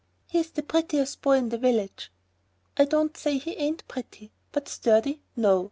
"He's the prettiest boy in the village!" "I don't say he ain't pretty. But sturdy, no!